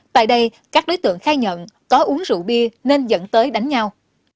tại đây các đối tượng khai nhận có uống rượu bia nên dẫn tới đánh nhau